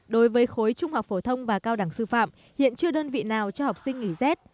đối với khối trung học phổ thông và cao đẳng sư phạm hiện chưa đơn vị nào cho học sinh nghỉ rét